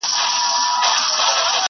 نه نه غلط سوم وطن دي چین دی؛